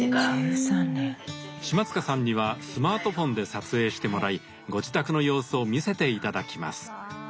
島塚さんにはスマートフォンで撮影してもらいご自宅の様子を見せて頂きます。